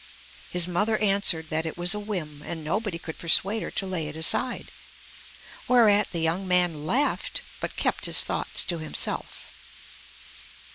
His mother answered that it was a whim, and nobody could persuade her to lay it aside; whereat the young man laughed, but kept his thoughts to himself.